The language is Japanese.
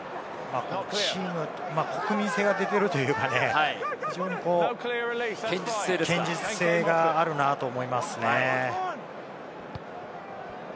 チーム、国民性が出ているというかね、非常に堅実性があるなと思いますね。